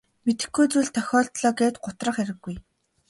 Мэдэхгүй зүйл тохиолдлоо гээд гутрах хэрэггүй.